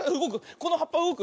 このはっぱうごく。